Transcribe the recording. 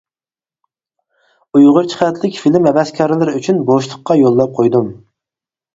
ئۇيغۇرچە خەتلىك فىلىم ھەۋەسكارلىرى ئۈچۈن بوشلۇققا يوللاپ قويدۇم.